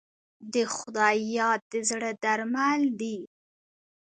د خدای یاد د زړه درمل دی.